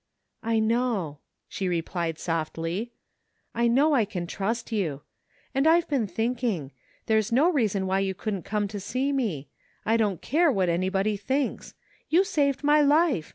"" I know," she replied softly. " I know I can trust you. And I've been thinking. There's no reason why you couldn't come to see me. I don't care what any body thinks. You saved my life